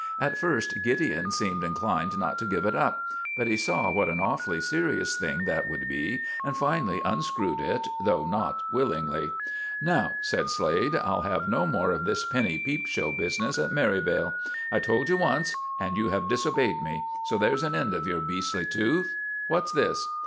At first Gideon seemed inclined not to give it up, but he saw what an awfully serious thing that would be, and finally unscrewed it, though not willingly. "Now," said Slade, "I'll have no more of this penny peep show business at Merivale. I told you once, and you have disobeyed me. So there's an end of your beastly tooth. What's this?"